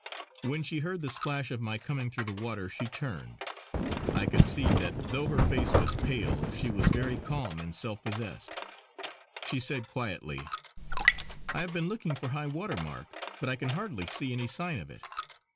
When she heard the splash of my coming through the water, she turned; I could see that though her face was pale she was very calm and self possessed. She said quietly: "I have been looking for high water mark, but I can hardly see any sign of it.